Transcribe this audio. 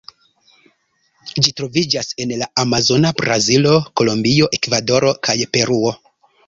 Ĝi troviĝas en la amazona Brazilo, Kolombio, Ekvadoro kaj Peruo.